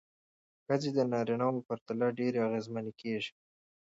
ښځې د نارینه وو پرتله ډېرې اغېزمنې کېږي.